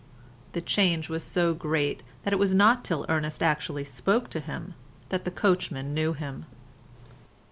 The change was so great that it was not till Ernest actually spoke to him that the coachman knew him.